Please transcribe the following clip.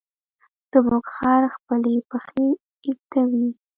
زموږ خر خپلې پښې ږدوي.